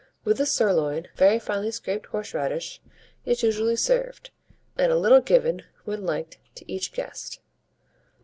With the sirloin, very finely scraped horseradish is usually served, and a little given, when liked, to each guest.